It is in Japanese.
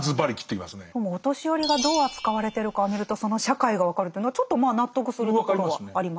でもお年寄りがどう扱われてるかを見るとその社会が分かるというのはちょっとまあ納得するところはありますよね。